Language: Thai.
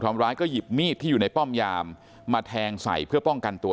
ทำร้ายก็หยิบมีดที่อยู่ในป้อมยามมาแทงใส่เพื่อป้องกันตัว